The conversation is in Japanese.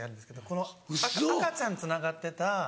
この赤ちゃんつながってた。